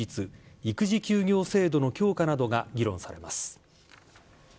育児休業制度の強化などが議論されます。